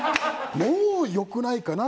もうよくないかな？